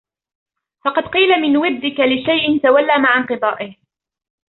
فَقَدْ قِيلَ مَنْ وَدَكَّ لِشَيْءٍ تَوَلَّى مَعَ انْقِضَائِهِ